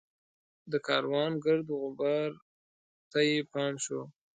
د کاروان ګرد وغبار ته یې پام شو.